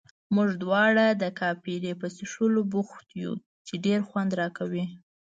موږ دواړه د کاپري په څښلو بوخت یو، چې ډېر خوند راکوي.